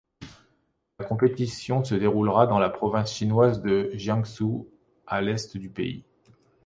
La compétition se déroulera dans la province chinoise de Jiangsu, à l'est du pays.